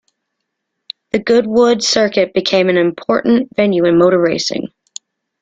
The Goodwood Circuit became an important venue in motor racing.